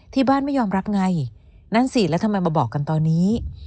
ไม่ยอมรับไงนั่นสิแล้วทำไมมาบอกกันตอนนี้